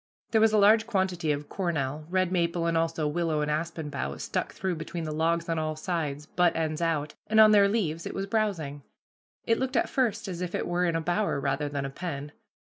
There was a large quantity of cornel, red maple, and also willow and aspen boughs, stuck through between the logs on all sides, butt ends out, and on their leaves it was browsing. It looked at first as if it were in a bower rather than a pen.